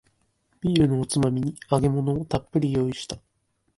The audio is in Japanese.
ビールのおつまみに揚げ物をたっぷり用意した